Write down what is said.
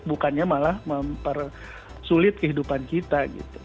bukannya malah mempersulit kehidupan kita